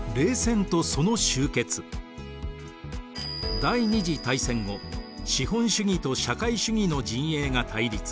第二次大戦後資本主義と社会主義の陣営が対立。